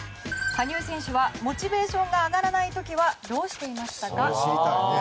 羽生選手はモチベーションが上がらない時はどうしていましたか？